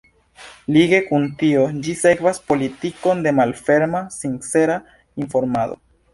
Lige kun tio ĝi sekvas politikon de malferma, „sincera“ informado.